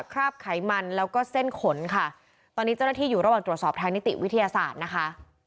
คราบไขมันแล้วก็เส้นขนค่ะตอนนี้เจ้าหน้าที่อยู่ระหว่างตรวจสอบทางนิติวิทยาศาสตร์นะคะ